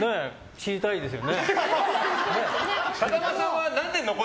知りたいですよ。